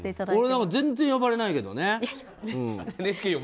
俺なんか全然呼ばれないけどね。